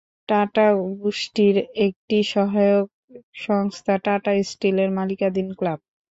Tata গোষ্ঠীর একটি সহায়ক সংস্থা টাটা স্টিলের মালিকানাধীন ক্লাব।